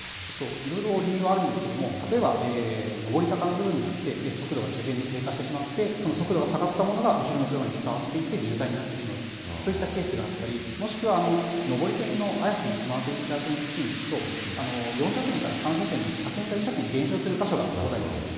いろいろ理由はありますが例えば上り坂の部分があって速度が低下してしまって下がったものが後ろの車に伝わって渋滞になるケースがあったり上り線の綾瀬のスマートインターチェンジ付近では４車線から３車線に車線が１車線減少する場所があります。